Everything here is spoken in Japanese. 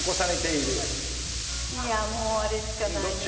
いやもうあれしかないな。